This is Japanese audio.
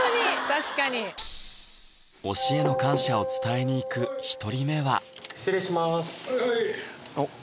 確かに推しへの感謝を伝えに行く１人目は失礼します